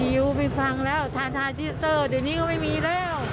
อยู่ไม่ฟังแล้วทาทาที่เตอร์เดี๋ยวนี้ก็ไม่มีแล้ว